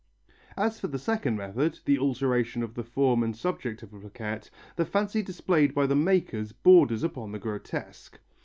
As for the second method, the alteration of the form and subject of a plaquette, the fancy displayed by the makers borders upon the grotesque.